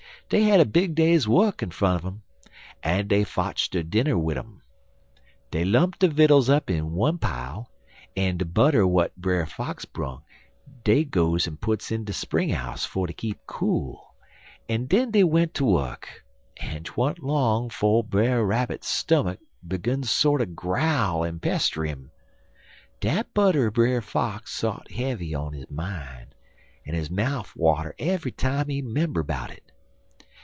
Dey had a big day's work in front un um, en dey fotch der dinner wid um. Dey lump de vittles up in one pile, en de butter w'at Brer Fox brung, dey goes en puts in de spring 'ouse fer ter keep cool, en den dey went ter wuk, en 'twan't long 'fo' Brer Rabbit's stummuck 'gun ter sorter growl en pester 'im. Dat butter er Brer Fox sot heavy on his mine, en his mouf water eve'y time he 'member 'bout it.